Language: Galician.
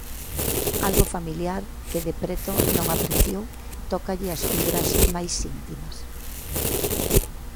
Algo familiar, que de preto non apreciou, tócalle as fibras máis íntimas.